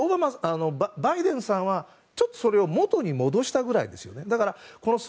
バイデンさんはちょっとそれを元に戻したぐらいです。